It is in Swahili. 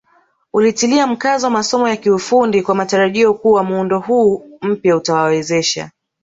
Ulitilia mkazo masomo ya kiufundi kwa matarajio kuwa muundo huu mpya utawawezesha